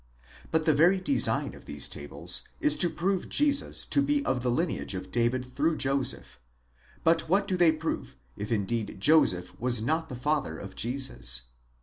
The very design of these tables is to prove Jesus to be of the lineage of David through Joseph ; but what do they prove, if indeed Joseph was not the father of Jesus?